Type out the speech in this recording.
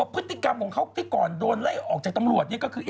พฤติกรรมของเขาที่ก่อนโดนไล่ออกจากตำรวจนี่ก็คือ